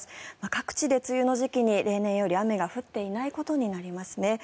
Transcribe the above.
各地で梅雨の時期に例年より雨が降っていないことになりますね。